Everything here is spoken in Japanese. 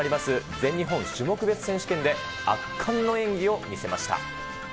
全日本種目別選手権で圧巻の演技を見せました。